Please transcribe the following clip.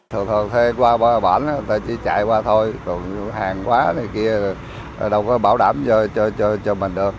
thuê qua bản người ta chỉ chạy qua thôi còn hàng quá này kia đâu có bảo đảm cho mình được